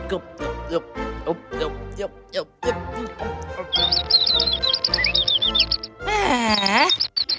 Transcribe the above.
sjebuk jebuk jebuk jebuk jebuk